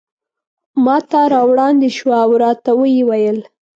ماته را وړاندې شوه او راته ویې ویل.